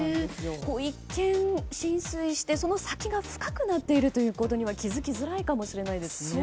一見、浸水してその先が深くなっているということには気づきづらいかもしれないですね。